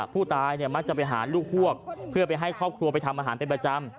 ผู้ตายเนี่ยมักจะไปหาลูกพวกเพื่อไปให้ครอบครัวไปทำอาหารเป็นประจำ